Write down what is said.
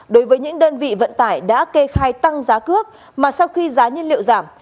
đối với những đơn vị vận tải đã kê khai tăng giá cước mà sau khi giá nhân liệu giảm